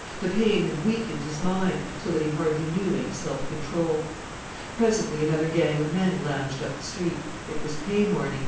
The pain had weakened his mind, so that he hardly knew any self control. Presently another gang of men lounged up the street. It was pay morning.